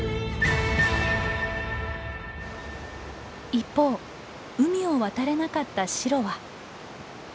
一方海を渡れなかったシロは。